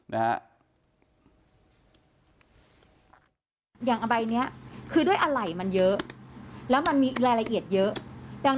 อย่างอใบนี้คือด้วยอะไรมันเยอะแล้วมันมีรายละเอียดเยอะ